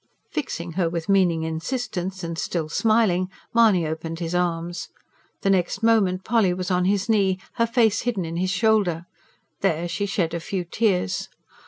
Fixing her with meaning insistence and still smiling, Mahony opened his arms. The next moment Polly was on his knee, her face hidden in his shoulder. There she shed a few tears.